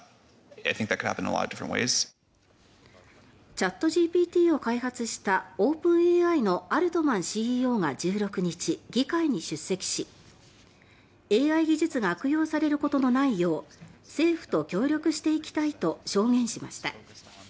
チャットＧＰＴを開発したオープンＡＩのアルトマンＣＥＯが１６日議会に出席し「ＡＩ技術が悪用されることのないよう政府と協力していきたい」と証言しました。